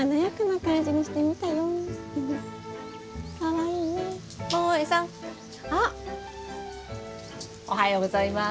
タカさんおはようございます。